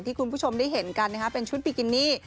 คุณผู้ชมได้เห็นกันนะคะเป็นชุดบิกินี่